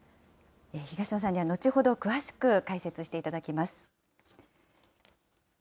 東野さんには後ほど詳しく解説していただきます。